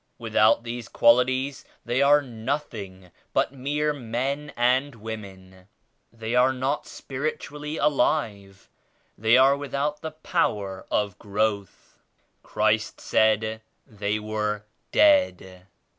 Without these qualities they are nothing but mere men and women; they are not spiritually alive; they are without the power of growth. Christ said they were *dead.'